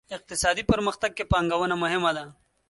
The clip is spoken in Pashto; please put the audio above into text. اقتصادي پرمختګ کې پانګونه مهمه ده.